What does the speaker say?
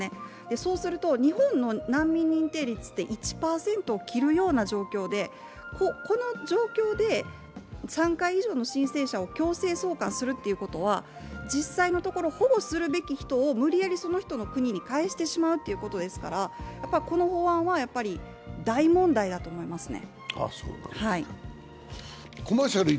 そうすると、日本の難民認定率って１％を切るような状況でこの状況で３回以上の申請者を強制送還するということは実際のところ、保護するべき人を無理矢理その人の国に帰してしまうということですから、この法案は大問題だと思いますね。